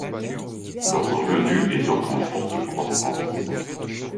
Leur revenu est donc en forte croissance.